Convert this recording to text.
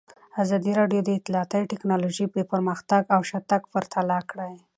ازادي راډیو د اطلاعاتی تکنالوژي پرمختګ او شاتګ پرتله کړی.